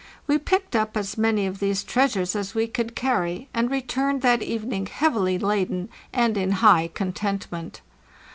We picked up as many of these treas ures as we could carry, and returned that evening heavily laden and in high contentment.